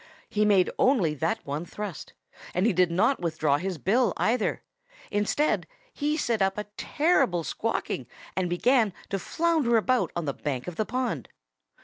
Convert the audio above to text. He made only that one thrust. And he did not withdraw his bill, either. Instead he set up a terrible squawking and began to flounder about on the bank of the pond.